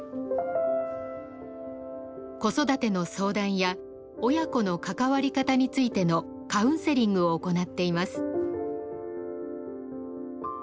子育ての相談や親子の関わり方についてのカウンセリングを行っています。